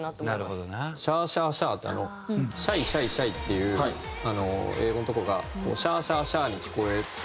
「シャーシャーシャー」って「ｓｈｙｓｈｙｓｈｙ」っていう英語のとこが「シャーシャーシャー」に聞こえて。